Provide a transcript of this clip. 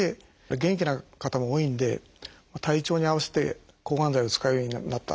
元気な方も多いんで体調に合わせて抗がん剤を使うようになった。